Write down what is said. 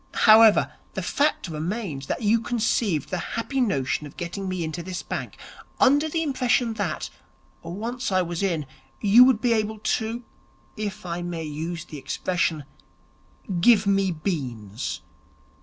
However, the fact remains that you conceived the happy notion of getting me into this bank, under the impression that, once I was in, you would be able to if I may use the expression give me beans.